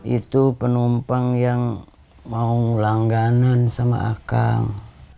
itu penumpang yang mau langganan sama akang